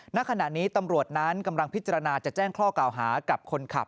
ณขณะนี้ตำรวจนั้นกำลังพิจารณาจะแจ้งข้อกล่าวหากับคนขับ